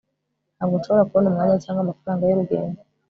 ntabwo nshobora kubona umwanya cyangwa amafaranga y'urugendo